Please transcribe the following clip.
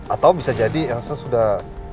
atau bisa jadi elsa sudah